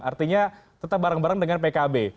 artinya tetap bareng bareng dengan pkb